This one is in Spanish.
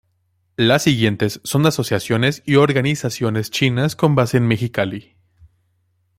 Las siguientes son asociaciones y organizaciones chinas con base en Mexicali.